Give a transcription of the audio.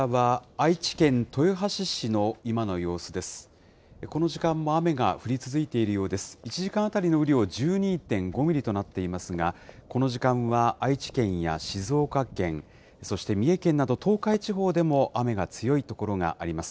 １時間当たりの雨量１２．５ミリとなっていますが、この時間は、愛知県や静岡県、そして三重県など、東海地方でも雨が強い所があります。